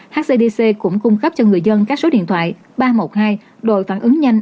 hcdc cũng cung cấp cho người dân các số điện thoại ba trăm một mươi hai đội phản ứng nhanh